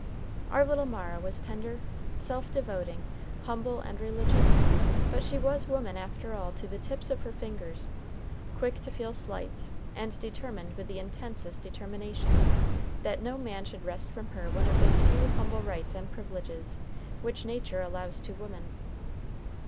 Our little Mara was tender, self devoting, humble, and religious, but she was woman after all to the tips of her fingers, quick to feel slights, and determined with the intensest determination, that no man should wrest from her one of those few humble rights and privileges, which Nature allows to woman.